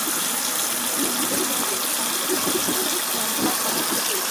শীর্ষে অ্যান্টেনা সম্প্রচারের জন্য ব্যবহার করা হবে।